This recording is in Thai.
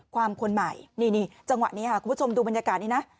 คนใหม่นี่จังหวะนี้ค่ะคุณผู้ชมดูบรรยากาศนี้นะ